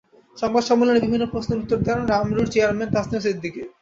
সংবাদ সম্মেলনে বিভিন্ন প্রশ্নের উত্তর দেন রামরুর চেয়ার তাসনিম সিদ্দিকী।